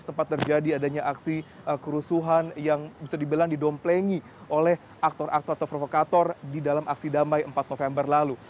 sempat terjadi adanya aksi kerusuhan yang bisa dibilang didomplengi oleh aktor aktor atau provokator di dalam aksi damai empat november lalu